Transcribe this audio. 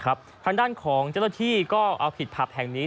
ทางด้านของเจ้าหน้าที่ก็เอาผิดผับแห่งนี้